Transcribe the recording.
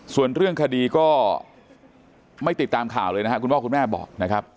ส่วนเรื่องคดีก็ไม่ติดตามข่าวเลยนะครับคุณพ่อคุณแม่บอกนะครับ